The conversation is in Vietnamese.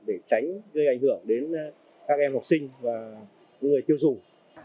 để tránh gây ảnh hưởng đến các em học sinh và người tiêu dùng